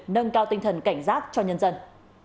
nâng cao tinh thần cảnh giác cho nhân dân